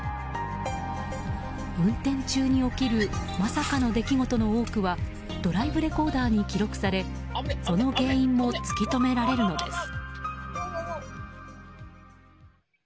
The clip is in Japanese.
運転中に起きるまさかの出来事の多くはドライブレコーダーに記録されその原因も突き止められるのです。